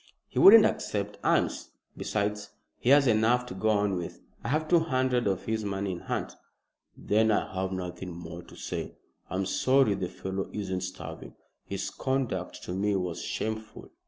"He wouldn't accept alms. Besides, he has enough to go on with. I have two hundred of his money in hand." "Then I have nothing more to say. I'm sorry the fellow isn't starving. His conduct to me was shameful."